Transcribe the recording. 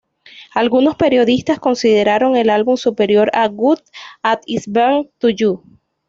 Algunos periodistas consideraron el álbum superior a "Good as I Been to You".